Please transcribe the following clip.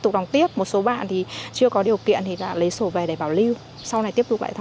tục đóng tiếp một số bạn thì chưa có điều kiện thì đã lấy sổ về để bảo lưu sau này tiếp tục lại thôi